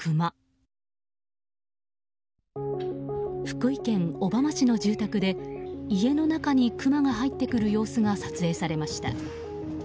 福井県小浜市の住宅で家の中にクマが入ってくる様子が撮影されました。